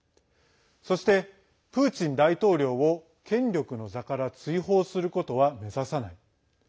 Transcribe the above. そして、プーチン大統領を権力の座から追放することは目指さない。